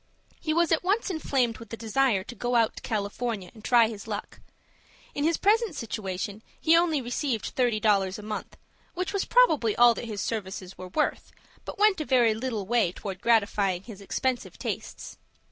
He was at once inflamed with the desire to go out to California and try his luck. In his present situation he only received thirty dollars a month, which was probably all that his services were worth, but went a very little way towards gratifying his expensive tastes.